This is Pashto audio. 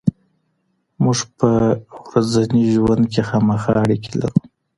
موږ په ورځني ژوند کې مخامخ اړیکې لرو.